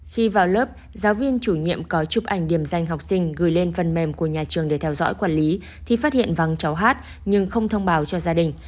khi vào lớp giáo viên chủ nhiệm có chụp ảnh điểm danh học sinh gửi lên phần mềm của nhà trường để theo dõi quản lý thì phát hiện vắng cháu hát nhưng không thông báo cho gia đình